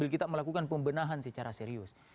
kita melakukan pembenahan secara serius